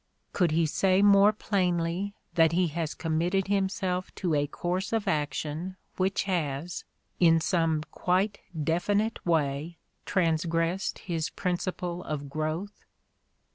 '' Could he say more plainly that he has com mitted himself to a course of action which has, in some quite definite way, transgressed his principle of growth